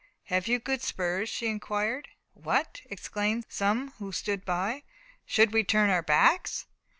"Have you good spurs?" she inquired. "What!" exclaimed some who stood by; "should we turn our backs?"